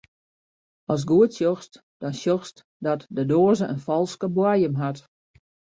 Ast goed sjochst, dan sjochst dat de doaze in falske boaiem hat.